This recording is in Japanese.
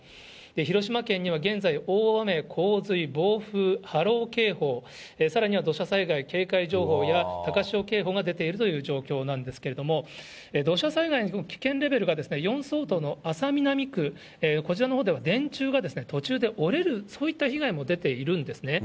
広島県には現在、大雨、洪水、暴風、波浪警報、さらには土砂災害警戒情報や、高潮警報が出ているという状況なんですけれども、土砂災害の危険レベルが４相当の安佐南区、こちらのほうでは電柱が途中で折れる、そういった被害も出ているんですね。